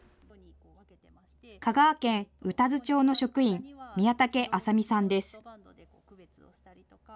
香川県宇多津町の職員、宮武麻美さんです。